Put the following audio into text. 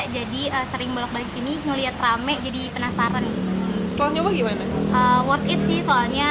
jadi sering balik balik sini melihat rame jadi penasaran soalnya bagaimana work it sih soalnya